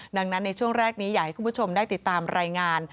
ดังนั้นในช่วงแรกนี้อยากให้คุณผู้ชมได้ติดตามรายงาน